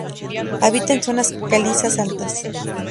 Habita en zonas calizas altas.